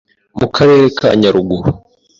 Mu karere ka Nyaruguru